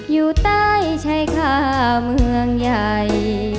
อยู่ใต้ชายคาเมืองใหญ่